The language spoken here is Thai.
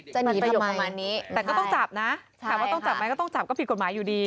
หนีไปประมาณนี้แต่ก็ต้องจับนะถามว่าต้องจับไหมก็ต้องจับก็ผิดกฎหมายอยู่ดี